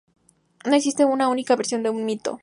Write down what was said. No existe una única versión de un mito.